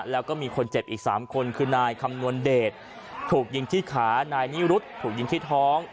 แล้วก็มีคนเจ็บอีก๓คนคือนายคำนวณเดชถูกยิงที่ขานายนิรุธถูกยิงที่ท้อง